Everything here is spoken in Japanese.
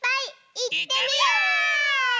いってみよ！